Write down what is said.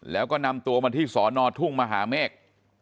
แล้วก็นำตัวมาที่สอนอทุ่งมหาเมฆ